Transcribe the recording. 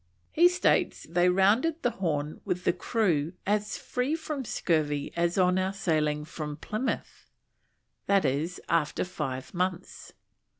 He states they rounded the Horn with the crew "as free from scurvy as on our sailing from Plymouth," i.e. after five months.